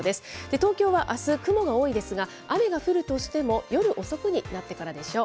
東京はあす、雲が多いですが、雨が降るとしても夜遅くになってからでしょう。